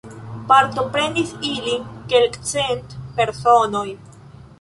Partoprenis ilin kelkcent personoj.